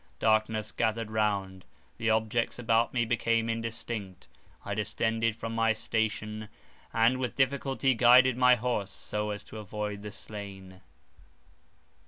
Darkness gathered round; the objects about me became indistinct, I descended from my station, and with difficulty guided my horse, so as to avoid the slain.